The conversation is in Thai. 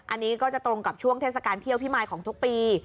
อันนี้ก็จะตรงกับช่วงเทศกาลเที่ยวพิมายของทุกปี